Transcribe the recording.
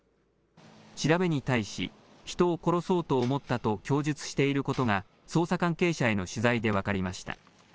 調べに対し、人を殺そうと思ったと供述していることが、捜査関係者への取材で分かりました。